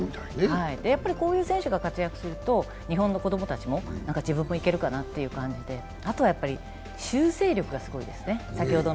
やっぱりこういう選手が活躍すると、日本の子供たちも、自分もいけるかなという感じであとは修正力がすごいですね。